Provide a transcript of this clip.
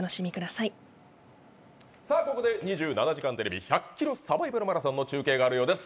さあここで２７時間テレビ１００キロサバイバルマラソンの中継があるようです。